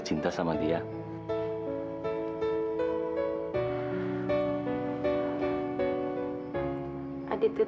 sekarang kamu lihat aku